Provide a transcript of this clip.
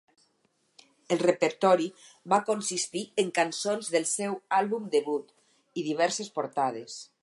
El repertori va consistir en cançons del seu àlbum debut i diverses portades.